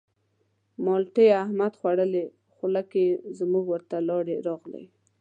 مالټې احمد خوړلې خوله کې زموږ ورته لاړې راغلې.